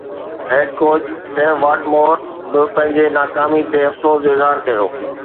head coach Dav Whatmore به پنهنجي ناڪامي تي افسوس جو اظهار ڪيو